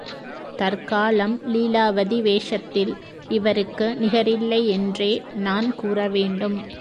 தற்காலம் லீலாவதி வேஷத்தில் இவருக்கு நிகரில்லையென்றே நான் கூறவேண்டும்.